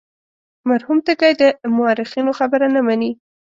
مرحوم تږی د مورخینو خبره نه مني.